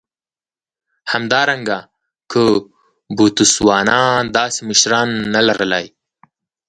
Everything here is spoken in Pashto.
همدارنګه که بوتسوانا داسې مشران نه لر لای.